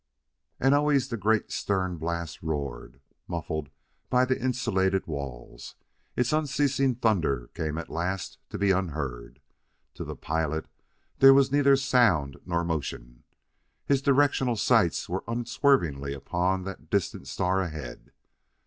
And always the great stern blast roared; muffled by the insulated walls, its unceasing thunder came at last to be unheard. To the pilot there was neither sound nor motion. His directional sights were unswervingly upon that distant star ahead.